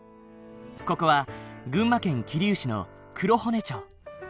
ここは群馬県桐生市の黒保根町。